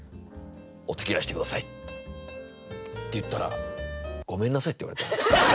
お付き合いして下さい」って言ったら「ごめんなさい」って言われたのよ。